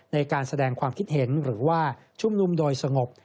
ในการแสดงความคิดเห็นหรือว่าชุมนุมโดยสงบ